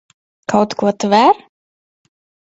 Kaut ko tver?